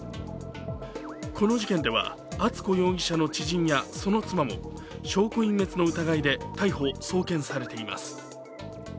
この事件では敦子容疑者の知人やその妻も証拠隠滅の疑いで逮捕・送検されています。